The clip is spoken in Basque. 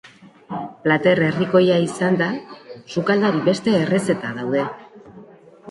Plater herrikoia izanda sukaldari beste errezeta daude.